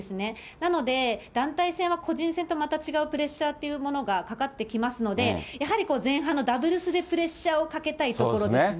なので、団体戦は個人戦とまた違うプレッシャーというものがかかってきますので、やはり前半のダブルスでプレッシャーをかけたいところですね。